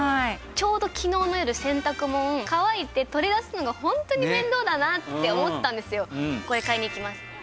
ちょうど昨日の夜洗濯物乾いて取り出すのがホントに面倒だなって思ったんですよ。